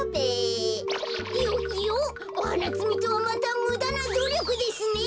いよいよおはなつみとはまたむだなどりょくですね。